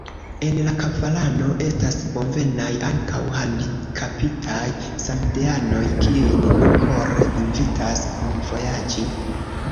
En la karavano estas bonvenaj ankaŭ handikapitaj samideanoj, kiujn ni kore invitas kunvojaĝi.